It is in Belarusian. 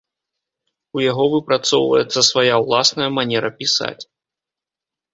У яго выпрацоўваецца свая ўласная манера пісаць.